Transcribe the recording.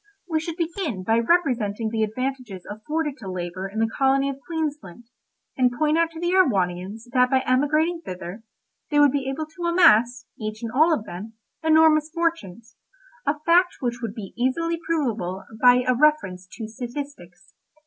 We should begin by representing the advantages afforded to labour in the colony of Queensland, and point out to the Erewhonians that by emigrating thither, they would be able to amass, each and all of them, enormous fortunes—a fact which would be easily provable by a reference to statistics.